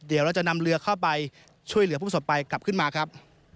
เดี๋ยวเราจะนำเรือเข้าไปช่วยเหลือผู้ประสบภัยกลับขึ้นมาครับ